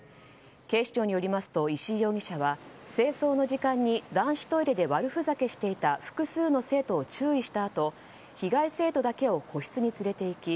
警視庁によりますと石井容疑者は清掃の時間に男子トイレで悪ふざけしていた複数の生徒を注意したあと被害生徒だけを個室に連れていき